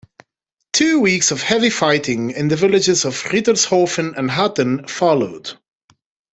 Two weeks of heavy fighting in the villages of Rittershoffen and Hatten followed.